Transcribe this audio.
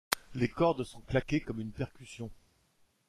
Les cordes sont claquées comme une percussion.